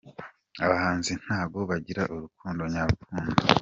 Abahanzi ntago bagira urukundo nyarukundo